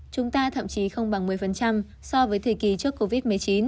chúng ta thậm chí không bằng một mươi so với thời kỳ trước covid một mươi chín